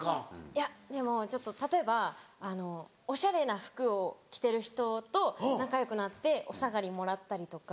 いやでもちょっと例えばおしゃれな服を着てる人と仲良くなってお下がりもらったりとか。